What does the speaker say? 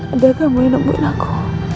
ada kamu yang nemuin aku